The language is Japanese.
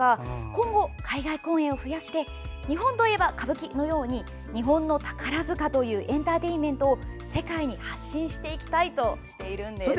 今後、海外公演を増やして日本といえば歌舞伎のように日本の宝塚というエンターテインメントを世界に発信していきたいとしているんです。